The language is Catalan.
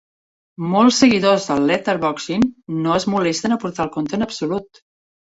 Molts seguidors del "letterboxing" no es molesten a portar el compte en absolut.